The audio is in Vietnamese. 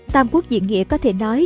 tam quốc diện nghĩa có thể nói